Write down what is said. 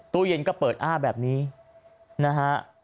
ตู้เย็นก็เปิดอ้าแบบนี้นะฮะ